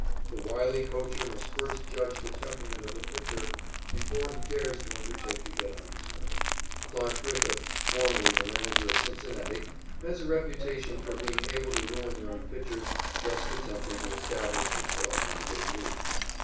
The wily coacher must first judge the temperament of a pitcher before he dares to undertake to get on his nerves. Clarke Griffith, formerly the manager of Cincinnati, has a reputation for being able to ruin young pitchers just attempting to establish themselves in the Big League.